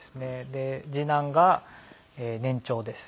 で次男が年長です。